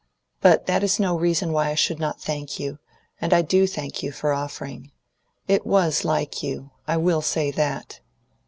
But that is no reason why I should not thank you, and I do thank you, for offering. It was like you, I will say that.